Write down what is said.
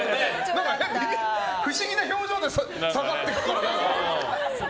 何か不思議な表情で下がっていくから。